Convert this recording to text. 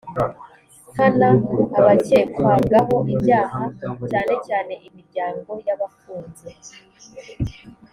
nkana abakekwagaho ibyaha cyanecyane imiryango y abafunze